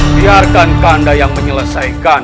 biarkan kakak yang menyelesaikan